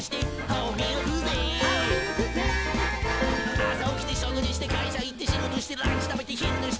「朝起きて食事して会社行って仕事してランチ食べて昼寝して」